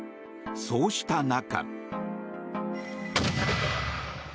そうした中。